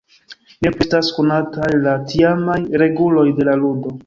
Ne plu estas konataj la tiamaj reguloj de la ludo.